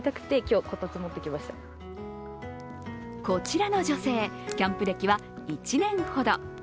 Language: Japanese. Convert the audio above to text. こちらの女性、キャンプ歴は１年ほど。